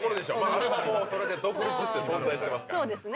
あれはもうそれで独立して存在してますから。